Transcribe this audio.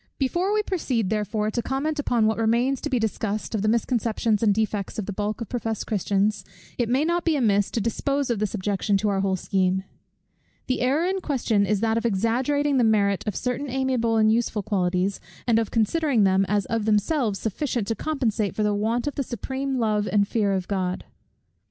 Before we proceed, therefore, to comment upon what remains to be discussed, of the misconceptions and defects of the bulk of professed Christians, it may not be amiss to dispose of this objection to our whole scheme. The error in question is that of exaggerating the merit of certain amiable and useful qualities, and of considering them as of themselves sufficient to compensate for the want of the supreme love and fear of God.